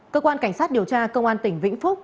cơ quan cảnh sát điều tra công an tỉnh vĩnh phúc